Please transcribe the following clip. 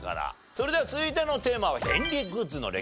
それでは続いてのテーマは便利グッズの歴史から。